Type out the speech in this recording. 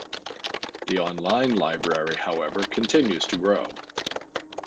The online library, however, continues to grow.